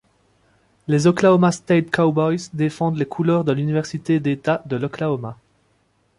Les Oklahoma State Cowboys défendent les couleurs de l'université d'état de l'Oklahoma.